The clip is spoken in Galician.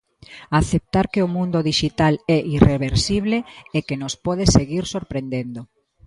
Aceptar que o mundo dixital é irreversible e que nos pode seguir sorprendendo.